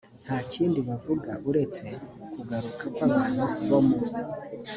nta kindi buvuga uretse kugaruka kw abantu bo mu